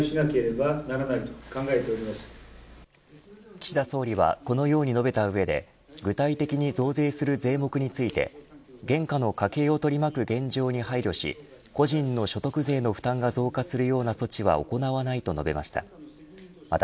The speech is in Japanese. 岸田総理はこのように述べた上で具体的に増税する税目について現下の家計を取り巻く現状に配慮し個人の所得税の負担が増加するような措置は行わないと述べました。